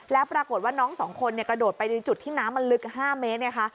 แล้วปรากฏว่าน้องสองคนกระโดดไปในจุดที่น้ำมันลึก๕เมตร